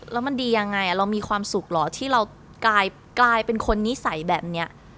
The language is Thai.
แล้วมันดียังไงเรามีความสุขเหรอที่เรากลายเป็นคนนิสัยแบบนี้